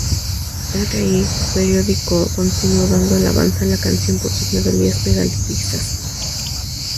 Rl periódico continuó dando alabanza a la canción por sus melodías pegadizas.